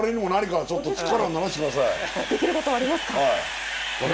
できることはありますか？